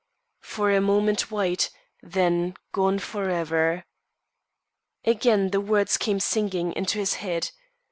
"For a moment white, then gone forever." Again the words came singing into his head.